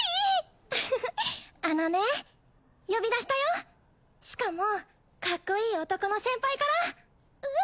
ウッフフあのね呼び出しだよしかもカッコイイ男の先輩からえっ！？